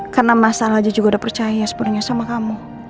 karena mas al aja juga udah percaya sepenuhnya sama kamu